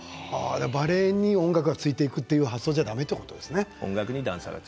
バレエに音楽がついていくという発想ではだめなんですね。